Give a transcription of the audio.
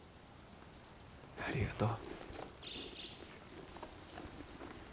ありがとう。